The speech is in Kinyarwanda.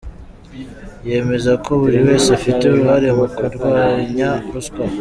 Yemeza ko buri wese afite uruhare mu kurwanya ruswa.